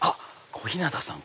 小日向さん